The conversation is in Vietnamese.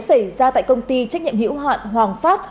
xảy ra tại công ty trách nhiệm hiệu hoạn hoàng phát